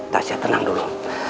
tasia tenang dulu